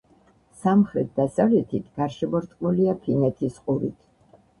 სამხრეთ-დასავლეთით გარშემორტყმულია ფინეთის ყურით.